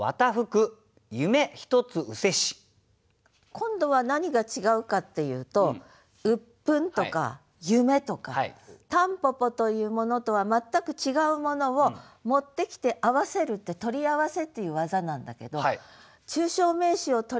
今度は何が違うかっていうと「鬱憤」とか「夢」とか蒲公英というものとは全く違うものを持ってきて合わせるって取り合わせっていう技なんだけど。